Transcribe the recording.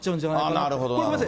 なるほど。